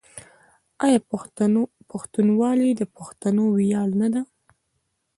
آیا پښتونولي د پښتنو ویاړ نه ده؟